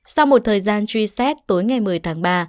sau một thời gian truy xét tối ngày một mươi tháng ba